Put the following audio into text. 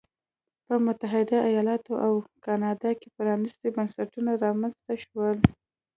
په متحده ایالتونو او کاناډا کې پرانیستي بنسټونه رامنځته شول.